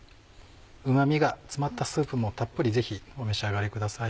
うま味が詰まったスープもたっぷりぜひお召し上がりください。